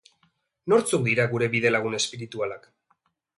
Nortzuk dira gure bidelagun espiritualak?